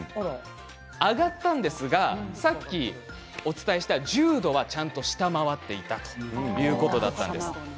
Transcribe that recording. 上がったんですがさっきお伝えした１０度はちゃんと下回っていたということだったんです。